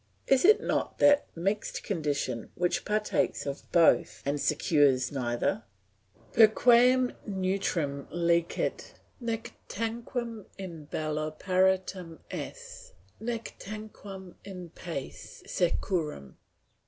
Is it not that mixed condition which partakes of both and secures neither? "Per quem neutrum licet, nec tanquam in bello paratum esse, nec tanquam in pace securum."